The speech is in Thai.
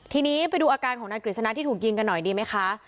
ทีนี้ไปดูนะภาษาของนางกุริสณาที่ถูกยิงกันหน่อยนะครับ